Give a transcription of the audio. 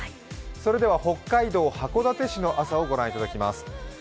それでは北海道函館市の朝をご覧いただきます。